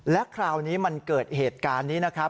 และคราวนี้มันเกิดเหตุการณ์นี้นะครับ